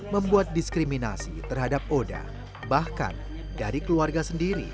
membuat diskriminasi terhadap oda bahkan dari keluarga sendiri